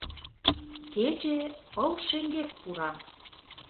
Кече пыл шеҥгек пура.